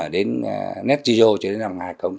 đến nét chí dô cho đến năm hai nghìn năm mươi